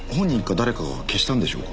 誰かが消したんでしょうか。